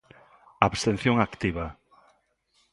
Abstención activa.